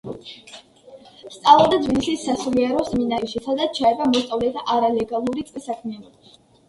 სწავლობდა თბილისის სასულიერო სემინარიაში, სადაც ჩაება მოსწავლეთა არალეგალური წრის საქმიანობაში.